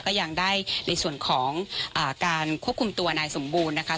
ก็ยังได้ในส่วนของการควบคุมตัวนายสมบูรณ์นะคะ